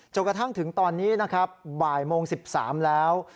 กระทั่งถึงตอนนี้นะครับบ่ายโมง๑๓แล้ว